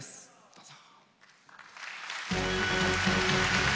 どうぞ。